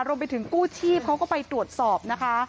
รวมไปถึงกู้ชีพเขาก็ไปตรวจสอบนะคะ